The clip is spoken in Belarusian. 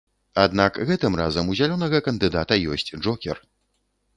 Аднак гэтым разам у зялёнага кандыдата ёсць джокер.